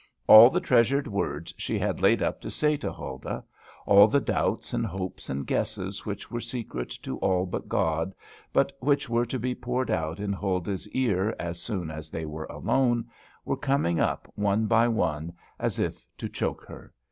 All the treasured words she had laid up to say to Huldah; all the doubts and hopes and guesses, which were secret to all but God, but which were to be poured out in Huldah's ear as soon as they were alone, were coming up one by one, as if to choke her.